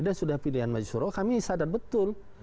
dan sudah pilihan maju suro kami sadar betul